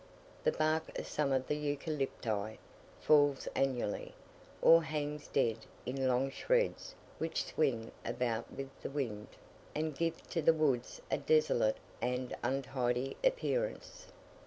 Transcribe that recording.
The bark of some of the Eucalypti falls annually, or hangs dead in long shreds which swing about with the wind, and give to the woods a desolate and untidy appearance.